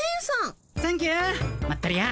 サンキューまったり屋。